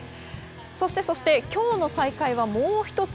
そしてそして今日の再会はもう１つ。